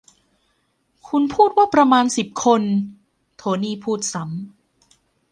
คุณพูดว่าประมาณสิบคนโทนี่พูดซ้ำ